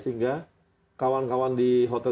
sehingga kawan kawan di hotel